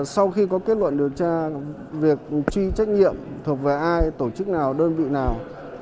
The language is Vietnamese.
sau khi có kết luận điều tra việc truy trách nhiệm thuộc về ai tổ chức nào đơn vị nào